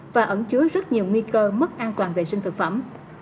và ẩn chứa rất nhiều nguy cơ mất an toàn vệ sinh thực phẩm